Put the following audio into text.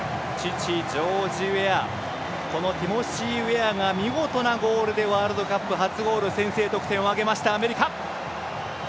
このティモシー・ウェアが見事なゴールでワールドカップ初ゴール、先制得点を挙げました、アメリカ。